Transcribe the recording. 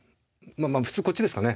普通こっちですかね